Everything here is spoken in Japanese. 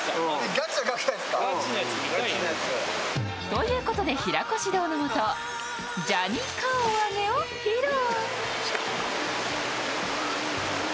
ということで平子指導のもとジャニ顔上げを披露。